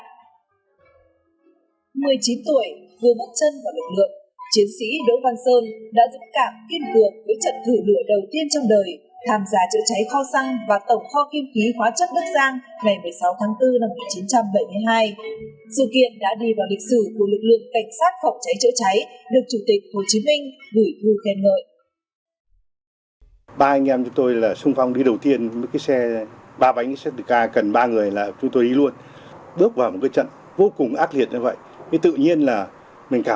một mươi chín tuổi vừa bước chân vào lực lượng chiến sĩ đỗ văn sơn đã dũng cảm kiên cường với trận thử lửa đầu tiên trong đời tham gia chữa cháy kho xăng và tổng kho kim khí hóa chất đất giang ngày một mươi sáu tháng